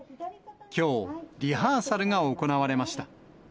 きょう、リハーサルが行われました。